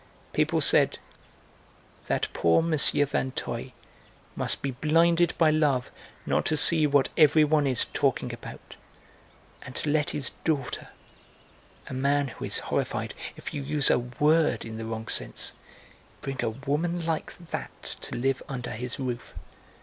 People said: "That poor M. Vinteuil must be blinded by love not to see what everyone is talking about, and to let his daughter a man who is horrified if you use a word in the wrong sense bring a woman like that to live under his roof.